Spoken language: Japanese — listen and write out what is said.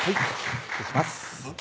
失礼しますうん？